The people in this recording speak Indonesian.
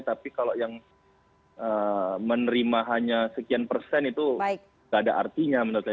tapi kalau yang menerima hanya sekian persen itu tidak ada artinya menurut saya